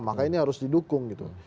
maka ini harus didukung gitu